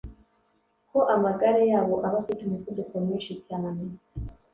ko amagare yabo aba afite umuvuduko mwinshi cyane.